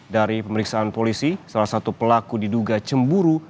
dari pemeriksaan polisi salah satu pelaku diduga cemburu